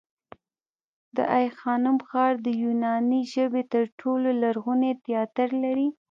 د آی خانم ښار د یوناني ژبې تر ټولو لرغونی تیاتر لري